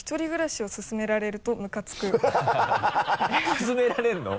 すすめられるの？